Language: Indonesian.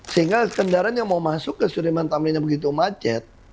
sehingga kendaraan yang mau masuk ke sudirman tamrinnya begitu macet